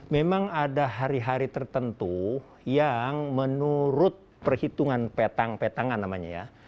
memang ada hari hari tertentu yang menurut perhitungan petang petangan namanya ya